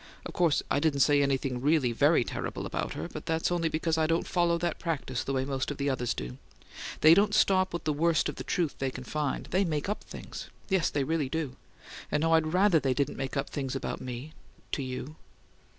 Of course I didn't say anything really very terrible about her, but that's only because I don't follow that practice the way most of the others do. They don't stop with the worst of the truth they can find: they make UP things yes, they really do! And, oh, I'd RATHER they didn't make up things about me to you!"